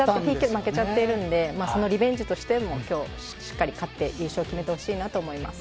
ＰＫ負けちゃっているのでそのリベンジとしてしっかり勝って優勝してほしいなと思います。